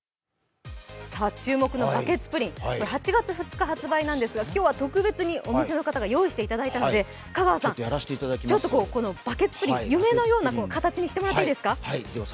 注目のバケツプリン、８月２０日発売なんですが、今日は特別にお店の方が用意してくださったので香川さん、ちょっとこのバケツプリン、夢のような形にしていただいていいですか。